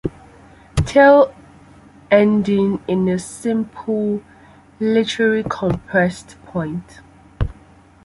Tail ending in a simple laterally compressed point.